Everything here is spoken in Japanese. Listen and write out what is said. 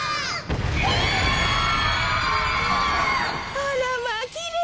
あらまあきれい。